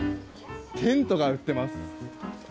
テントが売っています。